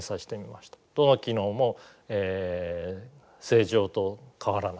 どの機能も正常と変わらない。